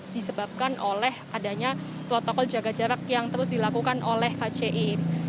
disebabkan oleh adanya protokol jaga jarak yang terus dilakukan oleh kci